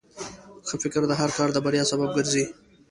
ښه فکر د هر کار د بریا سبب ګرځي.